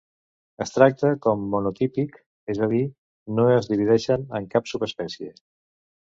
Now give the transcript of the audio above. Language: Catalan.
Es tracta com monotípic, és a dir, no es divideix en cap subespècie.